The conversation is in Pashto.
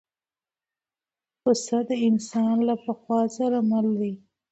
پسه د انسان له پخوا سره مل دی.